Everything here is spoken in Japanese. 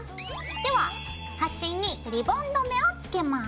でははしにリボン留めをつけます。